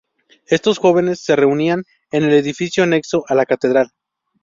Estos jóvenes, se reunían en el edificio anexo a la Catedral.